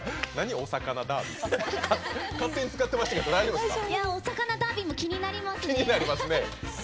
「おさかなダービー」も気になりますね。